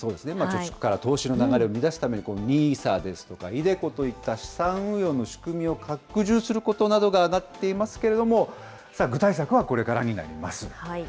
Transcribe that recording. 貯蓄から投資の流れを生み出すため、ＮＩＳＡや、ｉＤｅＣｏといった資産運用の仕組みを拡充することなどがあがっていますけれども、さあ、具体策はこれからになります。